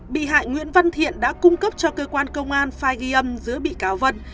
bị hại nguyễn văn thiện đã cung cấp cho cơ quan công an phai ghi âm giữa bị cáo vân